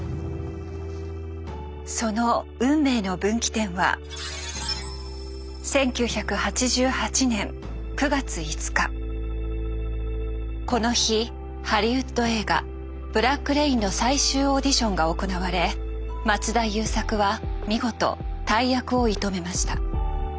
その運命の分岐点はこの日ハリウッド映画「ブラック・レイン」の最終オーディションが行われ松田優作は見事大役を射止めました。